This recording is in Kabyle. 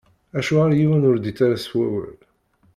Acuɣeṛ yiwen ur d-ittarra s wawal?